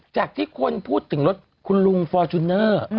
จากที่คนพูดถึงรถคุณลุงฟอร์จูเนอร์